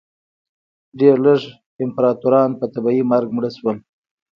ډېر لږ امپراتوران په طبیعي مرګ مړه شول